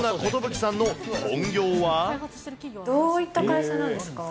どういった会社なんですか。